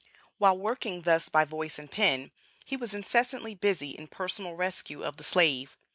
While working thus by voice and pen, he was incessantly busy in personal rescue of the slave.